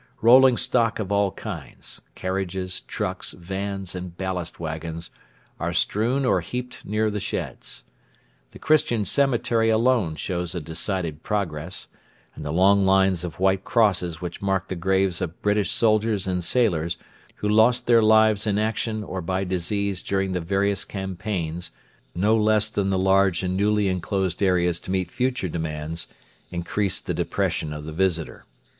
Rolling stock of all kinds carriages, trucks, vans, and ballast waggons are strewn or heaped near the sheds. The Christian cemetery alone shows a decided progress, and the long lines of white crosses which mark the graves of British soldiers and sailors who lost their lives in action or by disease during the various campaigns, no less than the large and newly enclosed areas to meet future demands, increase the depression of the visitor.